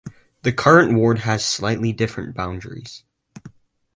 The current ward has slightly different boundaries.